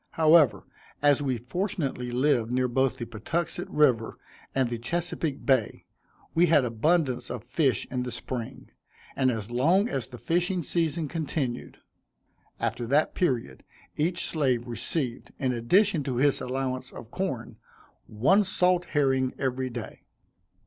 However, as we fortunately lived near both the Patuxent river and the Chesapeake Bay, we had abundance of fish in the spring, and as long as the fishing season continued. After that period, each slave received, in addition to his allowance of corn, one salt herring every day.